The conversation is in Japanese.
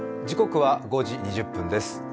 時刻は５時２０分です。